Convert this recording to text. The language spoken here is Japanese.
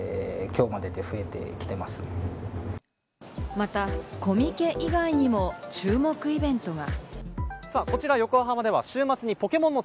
またコミケ以外にも注目イベントが。